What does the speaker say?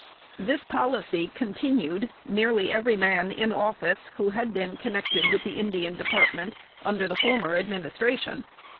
This policy continued nearly every man in office who had been connected with the Indian Department under the former Administration.